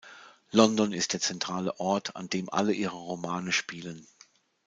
London ist der zentrale Ort, an dem alle ihre Romane spielen.